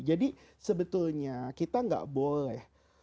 jadi sebetulnya kita tidak boleh